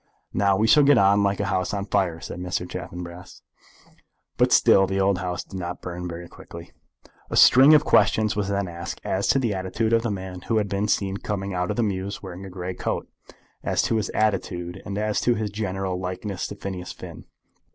"Now we shall get on like a house on fire," said Mr. Chaffanbrass. But still the house did not burn very quickly. A string of questions was then asked as to the attitude of the man who had been seen coming out of the mews wearing a grey great coat, as to his attitude, and as to his general likeness to Phineas Finn.